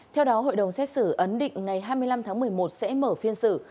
theo đó hội đồng xét xử ấn định ngày hai mươi năm tháng một mươi một sẽ mở phiên xử